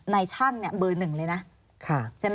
ในช่างเบอร์หนึ่งเลยนะ